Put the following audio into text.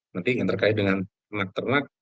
nanti yang terkait dengan ternak ternak